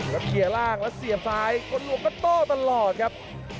แล้วเขียร่างแล้วเสียบซ้ายกดลุงก็ต้อตลอดครับ